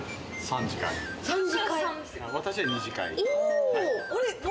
私は２次会。